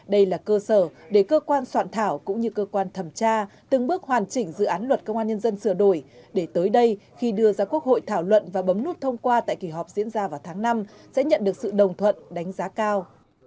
đây là cơ sở để cơ quan soạn thảo cũng như cơ quan thẩm tra từng bước hoàn chỉnh dự án luật công an nhân dân sửa đổi để tới đây khi đưa ra quốc hội thảo luận và bấm nút thông qua tại kỳ họp diễn ra vào tháng năm sẽ nhận được sự đồng thuận đánh giá cao